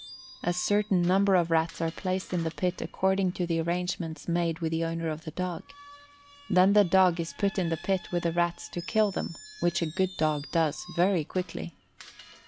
A certain number of Rats are placed in the pit according to the arrangements made with the owner of the dog. Then the dog is put in the pit with the rats to kill them, which a good dog does very quickly.